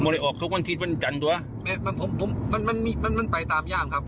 มันจะออกทุกวันที่มันจันทร์ตัวมันมันมันมันมันมันไปตามย่างครับ